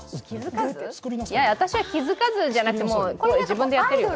私は気づかずじゃなくて自分でやってるよ、これ。